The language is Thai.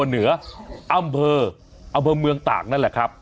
เหนืออำเภออำเภอเมืองตากนั่นแหละครับ